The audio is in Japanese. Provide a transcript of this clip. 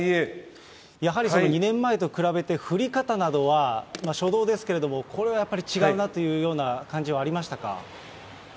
やはり２年前と比べて、降り方などは、初動ですけれども、これはやっぱり違うなというような感じはありましたか？